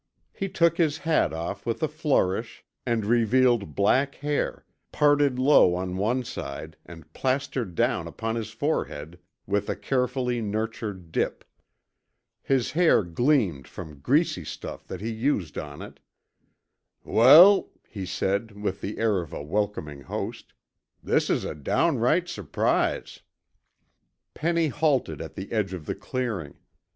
He took his hat off with a flourish and revealed black hair, parted low on one side and plastered down upon his forehead with a carefully nurtured dip. His hair gleamed from greasy stuff that he used on it. "Wal," he said with the air of a welcoming host, "this is a downright surprise." Penny halted at the edge of the clearing.